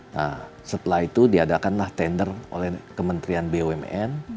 nah setelah itu diadakanlah tender oleh kementerian bumn